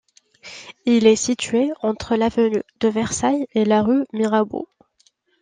Il est situé entre l'avenue de Versailles et la rue Mirabeau.